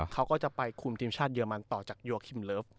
เขาก็จะไปคุมทีมชาติเยอร์มันต่อจากอ๋ออ่า